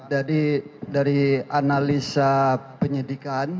dari analisa penyidikan